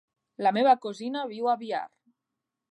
La meva cosina viu a Biar.